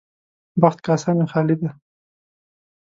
بخت کاسه مې خالي ده.